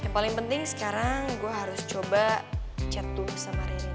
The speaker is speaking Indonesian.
yang paling penting sekarang gue harus coba chat tuh sama rein